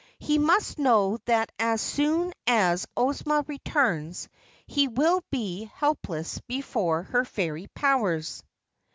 He must know that as soon as Ozma returns he will be helpless before her fairy powers."